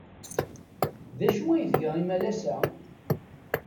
D acu ay tga imalas-a?